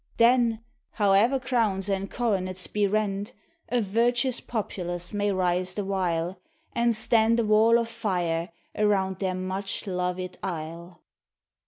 Then, howe'er crowns and coronets be rent, A virtuous populace may rise the while, And stand a wall of fire arouud their much loved isle.